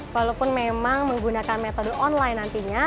walaupun memang menggunakan metode online nantinya